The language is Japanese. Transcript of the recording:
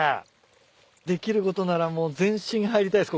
できることならもう全身入りたいっす